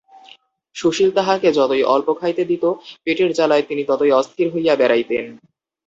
সুশীল তাঁহাকে যতই অল্প খাইতে দিত পেটের জ্বালায় তিনি ততই অস্থির হইয়া বেড়াইতেন।